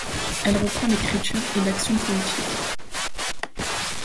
Elle reprend l’écriture et l’action poétique.